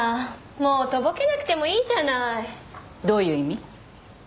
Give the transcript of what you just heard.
もうとぼけなくてもいいじゃないどういう意味？